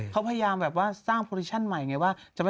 เขาพยายามแบบว่าสร้างโปรดิชั่นใหม่ไงว่า